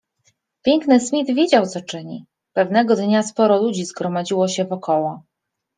Piękny Smith wiedział, co czyni. Pewnego dnia sporo ludzi zgromadziło się wokoło